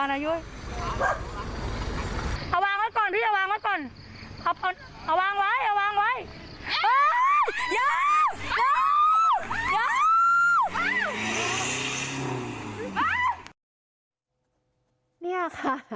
เนี่ยค่ะ